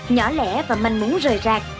nhỏ lẻ và manh muốn rời rạc